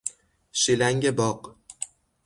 شیلنگ باغ